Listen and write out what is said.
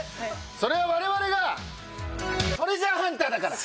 それは我々がトレジャーハンターだから。